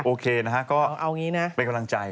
โอเคนะฮะก็เป็นกำลังใจ